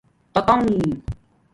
تتاݸنݣ